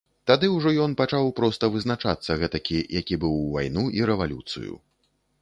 Тады ўжо ён пачаў проста вызначацца гэтакі, які быў у вайну і рэвалюцыю.